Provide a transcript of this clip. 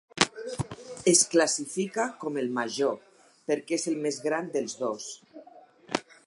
Es classifica com el "major" perquè és el més gran dels dos.